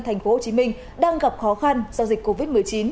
thành phố hồ chí minh đang gặp khó khăn do dịch covid một mươi chín